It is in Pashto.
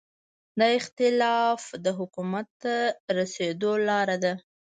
دا اختلاف د حکومت ته رسېدو لاره ده.